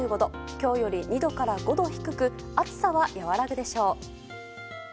今日より２度から５度低く暑さは和らぐでしょう。